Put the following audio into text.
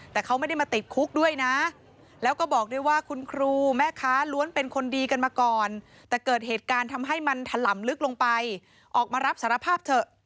ทำให้มันถลำลึกลงไปออกมารับสารภาพเถอะ